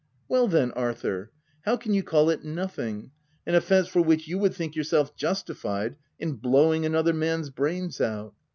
5 '" Well then, Arthur, how can you call it nothing — an offence for which you would think yourself justified in blowing another man's brains out?